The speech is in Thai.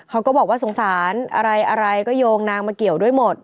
เขาก็บอกว่าสงสารอะไรก็โยงนางมาเกี่ยวด้วยหมด